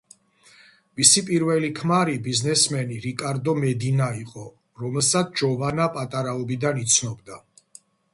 მისი პირველი ქმარი ბიზნესმენი რიკარდო მედინა იყო, რომელსა ჯოვანა პატარაობიდან იცნობდა.